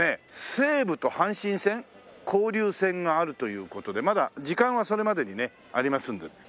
西武と阪神戦交流戦があるという事でまだ時間はそれまでにねありますんで。